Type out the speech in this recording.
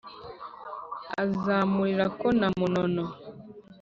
azamurira ko na munono